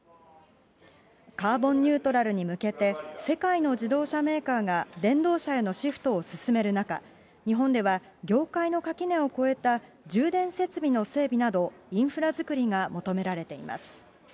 カーボンニュートラルに向けて、世界の自動車メーカーが電動車へのシフトを進める中、日本では、業界の垣根を超えた充電設備の整備など、インフラ作りが求められています。